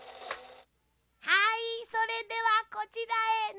はいそれではこちらへのせて。